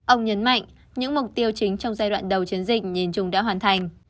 ông nhấn mạnh những mục tiêu chính trong giai đoạn đầu chiến dịch nhìn chung đã hoàn thành